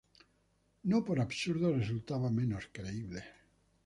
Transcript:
No por absurdo resultaba menos creíble